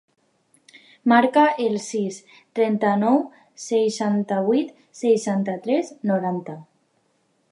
Marca el sis, trenta-nou, seixanta-vuit, setanta-tres, noranta.